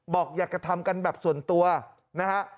บอกอยากจะทำกันแบบส่วนตัวนะฮะ